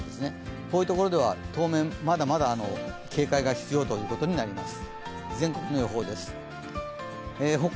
こういうところでは、当面まだまだ警戒が必要ということになります。